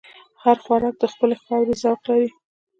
هر خوراک د خپلې خاورې ذوق لري.